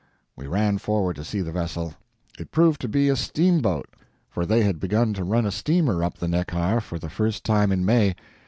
We ran forward to see the vessel. It proved to be a steamboat for they had begun to run a steamer up the Neckar, for the first time in May.